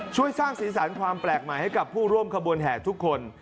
ช่วยสร้างสีสันความแปลกใหม่ให้กับผู้ร่วมขบวนแห่ทุกคน